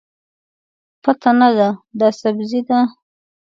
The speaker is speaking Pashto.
پته نه ده، دا سبزي ده.